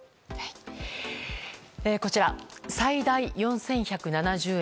こちら最大４１７０円。